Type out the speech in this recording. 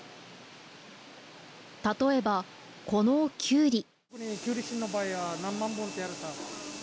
例えばこのキュウリ。